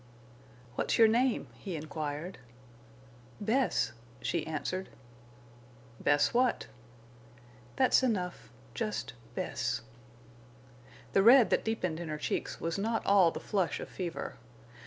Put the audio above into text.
"What's your name?" he inquired. "Bess," she answered. "Bess what?" "That's enough—just Bess." The red that deepened in her cheeks was not all the flush of fever.